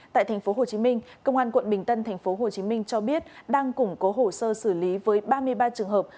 tại tp hcm công an quận bình tân tp hcm cho biết đang củng cố hồ sơ xử lý với ba mươi ba trường hợp